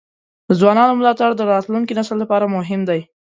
د ځوانانو ملاتړ د راتلونکي نسل لپاره مهم دی.